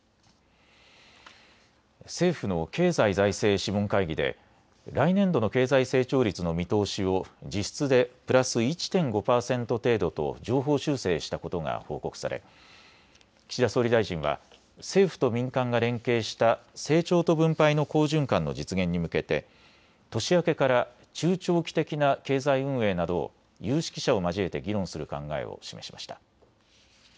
政府の経済財政諮問会議で来年度の経済成長率の見通しを実質でプラス１．５％程度と上方修正したことが報告され岸田総理大臣は政府と民間が連携した成長と分配の好循環の実現に向けて年明けから中長期的な経済運営などを有識者を交えて議論する考えを示しました。